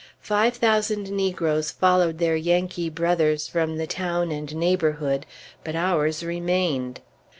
Five thousand negroes followed their Yankee brothers from the town and neighborhood; but ours remained.